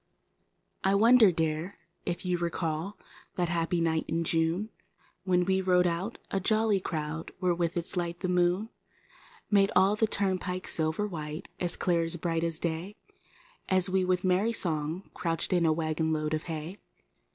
E WONDER, Dear, if you recall that happy night in June When we rode out, a jolly crow where with its light the moon Made all the turn¬ pike silver white as clear and bright as day As we, with merry song, crouched in a wagon load of hay?